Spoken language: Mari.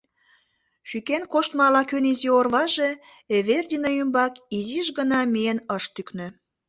Шӱкен коштмо ала-кӧн изи орваже Эвердина ӱмбак изиш гына миен ыш тӱкнӧ.